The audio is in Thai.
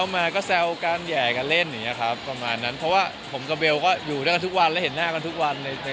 ไม่มีคนดูแลหัวใจ